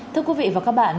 thưa quý vị và các bạn